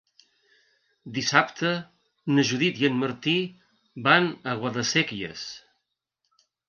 Dissabte na Judit i en Martí van a Guadasséquies.